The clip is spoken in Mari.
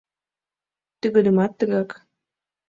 Тыгодымат тыгак.